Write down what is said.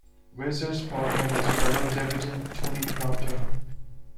Weser's partner was fellow debutant Tony Crafter.